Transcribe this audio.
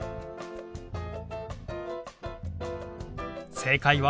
正解は。